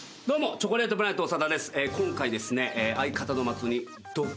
チョコレートプラネット長田です。